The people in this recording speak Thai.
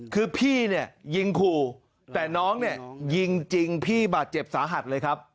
คือพี่เนี่ยยิงขู่แต่น้องเนี่ยยิงจริงพี่บาดเจ็บสาหัสเลยครับ